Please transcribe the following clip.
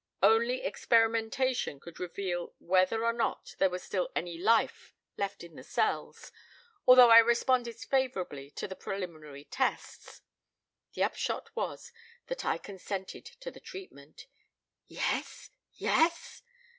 Only experimentation could reveal whether or not there was still any life left in the cells, although I responded favorably to the preliminary tests. The upshot was that I consented to the treatment " "Yes? Yes?"